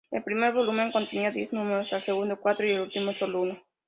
El primer volumen contenía diez números, el segundo cuatro y el último solo uno.